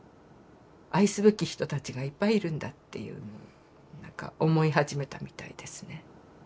愛すべき人たちがいっぱいいるんだっていうのを何か思い始めたみたいですね。